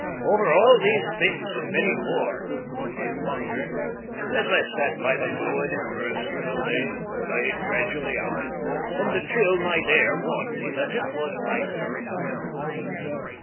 Over all these things and many more I pondered as I sat by the glowing embers until they died gradually out, and the chill night air warned me that it was time to retire.